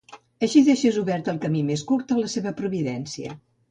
Així deixes obert el camí més curt a la seva providència.